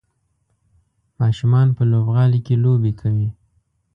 ماشومان په لوبغالي کې لوبې کوي.